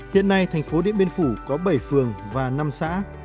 hiện nay thành phố điện biên phủ có bảy phường và năm xã